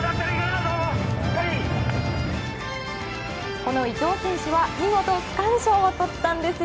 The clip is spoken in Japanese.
この伊藤選手は見事、区間賞をとったんですよ。